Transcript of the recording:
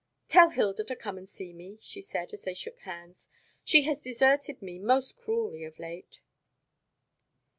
"Tell Hilda to come and see me," she said, as they shook hands. "She has deserted me most cruelly of late."